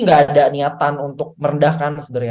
gak ada niatan untuk merendahkan